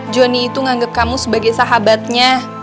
johnny itu menganggap kamu sebagai sahabatnya